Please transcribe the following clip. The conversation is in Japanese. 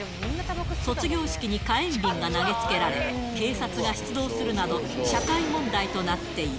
卒業式に火炎瓶が投げつけられ、警察が出動するなど、社会問題となっていた。